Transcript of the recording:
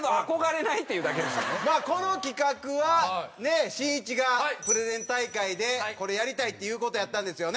まあこの企画はねしんいちがプレゼン大会でこれやりたいっていう事やったんですよね。